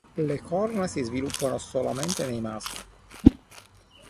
Le corna si sviluppano solamente nei maschi.